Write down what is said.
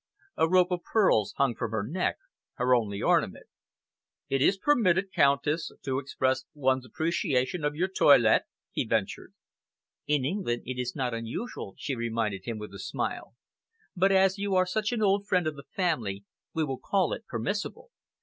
A rope of pearls hung from her neck her only ornament. "It is permitted, Countess, to express one's appreciation of your toilette?" he ventured. "In England it is not usual," she reminded him, with a smile, "but as you are such an old friend of the family, we will call it permissible.